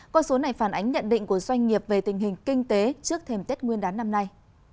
con số này phản ánh nhận định của doanh nghiệp về tình hình kinh tế trước thêm tết nguyên đán năm nay